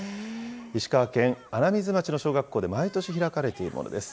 石川県穴水町の小学校で毎年、開かれているものです。